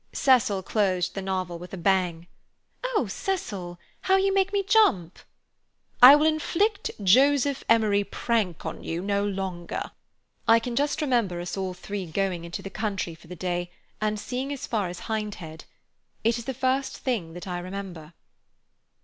Cecil closed the novel with a bang. "Oh, Cecil—how you made me jump!" "I will inflict Joseph Emery Prank on you no longer." "I can just remember us all three going into the country for the day and seeing as far as Hindhead. It is the first thing that I remember."